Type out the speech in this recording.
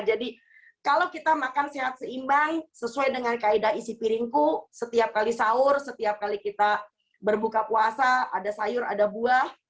jadi kalau kita makan sehat seimbang sesuai dengan kaedah isi piringku setiap kali sahur setiap kali kita berbuka puasa ada sayur ada buah